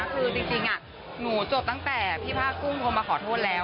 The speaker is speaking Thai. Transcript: คือจริงหนูจบตั้งแต่พี่ผ้ากุ้งโทรมาขอโทษแล้ว